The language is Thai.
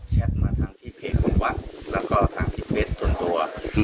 แชทมาทางที่เพจของวัดแล้วก็ทางที่เพจตัว